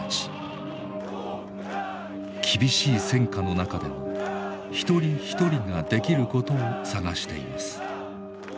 厳しい戦火の中でも一人一人ができることを探しています。